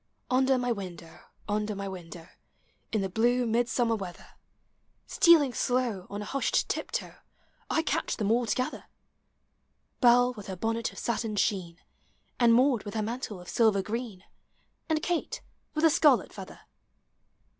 Under my window, under my window. In the blue Midsummer weather, Stealing slow, on a hushed tiptoe, I catch them all together: — liell with her bonnet of satin sheen. And Maud with her mantle of silver green, And Kate with the scarlet feather.